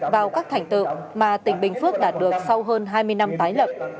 vào các thành tựu mà tỉnh bình phước đạt được sau hơn hai mươi năm tái lập